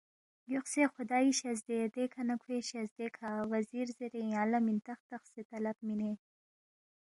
گیوخسے خُدائی شزدے دیکھہ نہ کھوے شزدے کھہ وزیر زیرے یانگ لہ مِنتخ تخسے طلب مِنے